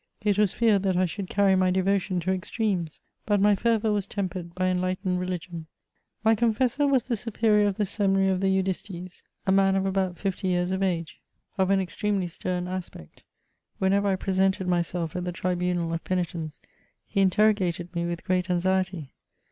It was feared that I should carry my devotion to extremes ; but my fervour was tempered by en lightened religion. My confessor was the Superior of the Seminary of the Eudistes, a man of about fifty years of age, of an extremely stem aspect : whenever I presented myself at the tribunal of peni tence, he interrogated me with great anxiety.